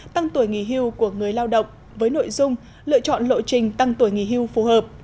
tăng tuổi nghỉ hưu của người lao động với nội dung lựa chọn lộ trình tăng tuổi nghỉ hưu phù hợp